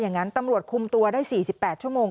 อย่างนั้นตำรวจคุมตัวได้๔๘ชั่วโมง